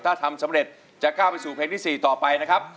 ถ้าทำสำเร็จจะก้าวไปสู่เพลงที่๔ต่อไปนะครับ